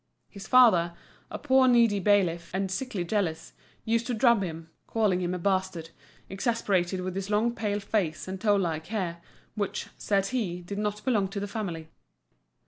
His father, a poor, needy bailiff, and sickly jealous, used to drub him, calling him a bastard, exasperated with his long pale face and tow like hair, which, said he, did not belong to the family.